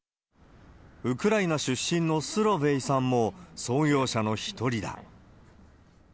ウクライナ出身のスロヴェイさんも、創業者の一人だ。